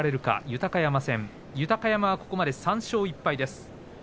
豊山戦、豊山はここまで３勝１敗です。